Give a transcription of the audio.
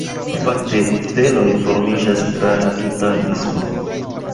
Fakte, steloj formiĝas tra la tuta disko.